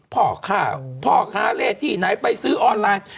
พอค่ะเค้าเลขที่ไหนไปซื้อออนไลน์